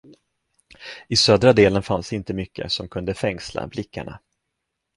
I södra delen fanns inte mycket, som kunde fängsla blickarna.